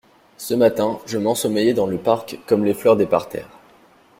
Ce matin je m'ensommeillais dans le parc comme les fleurs des parterres.